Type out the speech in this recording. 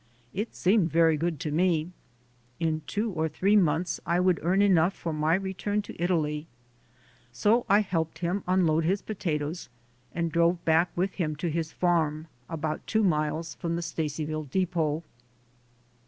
It seemed very good to me. In two or three months I would earn enough for my return passage to Italy. So I helped him unload his potatoes and drove back with him to his farm, about two miles from the Stacyville depot.